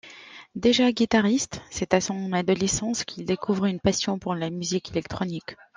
Déjà guitariste, c'est à son adolescence, qu'il découvre une passion pour la musique électronique.